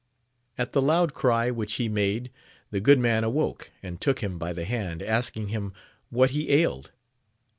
At the loud cry which he made the good man awoke, and took him by the hand, asking him what he ailed